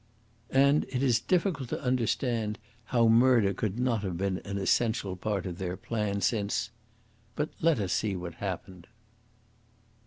And it is difficult to understand how murder could not have been an essential part of their plan, since But let us see what happened.